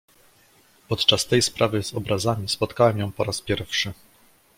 "Podczas tej sprawy z obrazami spotkałem ją po raz pierwszy."